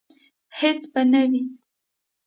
هیڅ به نه وي